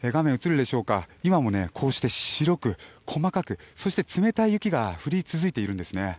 今もこうして白く細かく冷たい雪が降り続いているんですね。